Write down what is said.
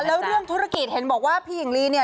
แล้วเรื่องธุรกิจเห็นบอกว่าพี่หญิงลีเนี่ย